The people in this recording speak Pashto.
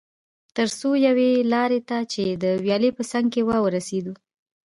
تر څو یوې لارې ته چې د ویالې په څنګ کې وه ورسېدو.